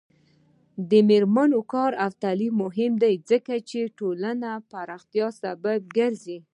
د میرمنو کار او تعلیم مهم دی ځکه چې ټولنې پراختیا سبب ګرځي.